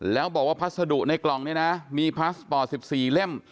แล้วบอกว่าพัสดุในกล่องนี้นะมีพัสดุป่อสิบสี่เล่ม